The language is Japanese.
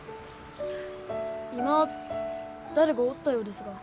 今誰かおったようですが。